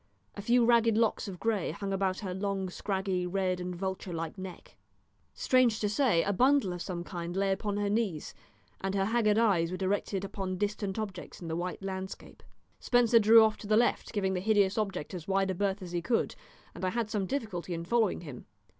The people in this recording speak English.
A few ragged locks of grey hung about her long, scraggy, red, and vulture like neck. Strange to say, a bundle of some kind lay upon her knees, and her haggard eyes were directed upon distant objects in the white landscape. Spencer drew off to the left, giving the hideous object as wide a berth as he could, and I had some difficulty in following him.